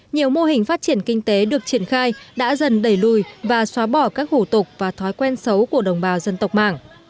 nhiều mô hình phát triển kinh tế được triển khai đã dần đẩy lùi và xóa bỏ các hủ tục và thói quen xấu của đồng bào dân tộc mảng